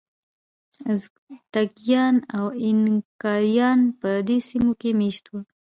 ازتکیان او اینکایان په دې سیمو کې مېشت وو.